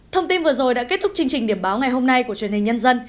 thông tin vừa rồi đã kết thúc chương trình điểm báo ngày hôm nay của truyền hình nhân dân